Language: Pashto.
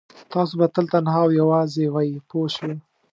تاسو به تل تنها او یوازې وئ پوه شوې!.